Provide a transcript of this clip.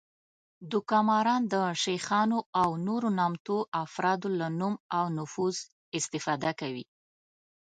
دوکه ماران د شیخانو او نورو نامتو افرادو له نوم او نفوذ استفاده کوي